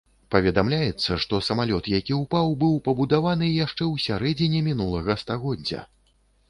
Паведамляецца, што самалёт, які ўпаў, быў пабудаваны яшчэ ў сярэдзіне мінулага стагоддзя!